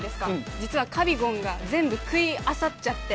実はカビゴンが全部食い漁っちゃって。